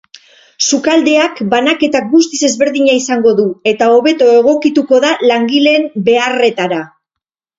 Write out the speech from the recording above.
Sukaldeak banaketa guztiz ezberdina izango du eta hobeto egokituko da langileen beharretara.